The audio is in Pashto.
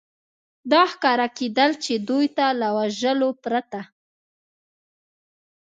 دا ښکاره کېدل، چې دوی ته له وژلو پرته.